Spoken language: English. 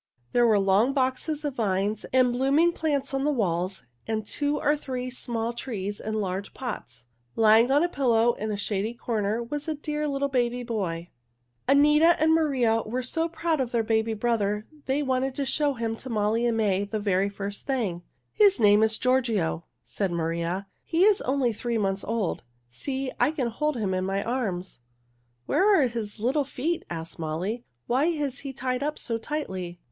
There were long boxes of vines and blooming plants on the walls, and two or three small trees in large pots. Lying on a pillow in a shady corner was a dear little baby boy. [Illustration: Lying on a pillow was a dear little baby boy] Anita and Maria were so proud of their baby brother they wanted to show him to Molly and May the very first thing. "His name is Giorgio," said Maria. "He is only three months old. See, I can hold him in my arms." "Where are his little feet?" asked Molly. "Why is he tied up so tightly?"